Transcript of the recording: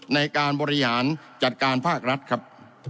ในการบริหารจัดการภาครัฐครับ